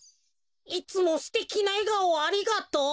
「いつもすてきなえがおをありがとう。